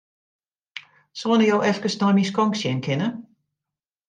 Soenen jo efkes nei myn skonk sjen kinne?